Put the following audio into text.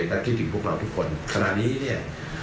และคิดถึงพวกเราทุกคนขณะนี้เนี่ย